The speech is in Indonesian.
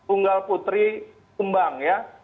unggal putri tumbang ya